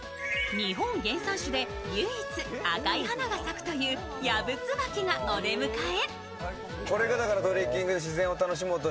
日本原産種で唯一、赤い花が咲くというヤブツバキがお出迎え。